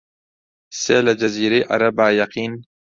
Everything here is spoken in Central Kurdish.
سێ لە جەزیرەی عەرەبا یەقین